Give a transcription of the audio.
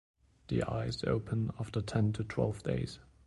The eyes open after ten to twelve days.